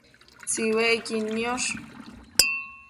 Tsiuecquid niosh